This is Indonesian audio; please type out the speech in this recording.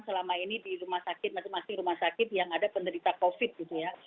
selama ini di rumah sakit masing masing rumah sakit yang ada penderita covid gitu ya